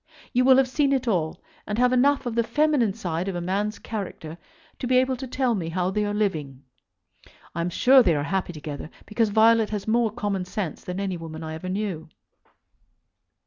You will have seen it all, and have enough of the feminine side of a man's character to be able to tell me how they are living. I am sure they are happy together, because Violet has more common sense than any woman I ever knew.